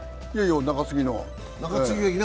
中継ぎの。